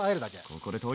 ここで投入！